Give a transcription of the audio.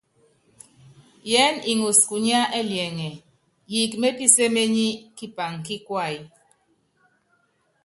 Yɛ́n iŋɔs kunyá ɛliɛŋɛ, yiik mepíséményí kipaŋ kí kuay.